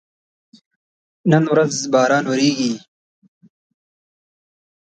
نن ورځ باران وریږي